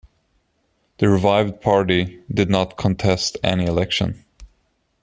The revived party did not contest any election.